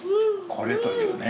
「これ」というね。